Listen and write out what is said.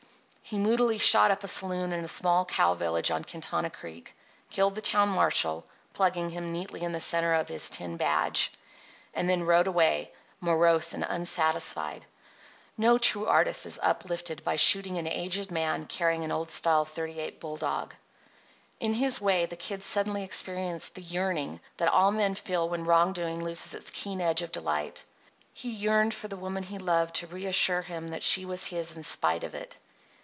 He moodily shot up a saloon in a small cow village on Quintana Creek, killed the town marshal (plugging him neatly in the centre of his tin badge), and then rode away, morose and unsatisfied. No true artist is uplifted by shooting an aged man carrying an old style .38 bulldog. On his way the Kid suddenly experienced the yearning that all men feel when wrong doing loses its keen edge of delight. He yearned for the woman he loved to reassure him that she was his in spite of it.